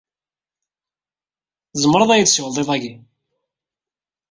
Tzemreḍ ad iyi-d-tsiwleḍ iḍ-agi.